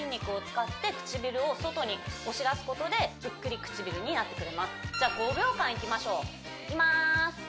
ポイントはことでぷっくり唇になってくれますじゃあ５秒間いきましょういきます